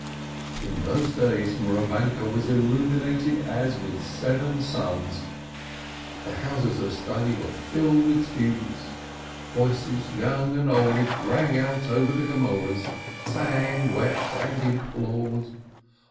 In those days Mouravanke was illuminated as with seven suns. The houses of study were filled with students; voices, young and old, rang out over the Gemorehs, sang, wept, and implored.